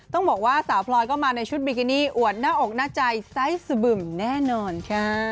ต้องบอกว่าสาวพลอยก็มาในชุดบิกินี่อวดหน้าอกหน้าใจไซส์สบึ่มแน่นอนค่ะ